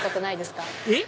えっ？